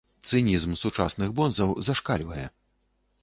Цынізм сучасных бонзаў зашкальвае.